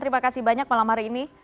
terima kasih banyak malam hari ini